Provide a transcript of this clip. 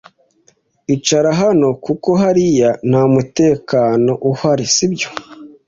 Icara hano kuko hariya ntamutekano uhari, sibyo?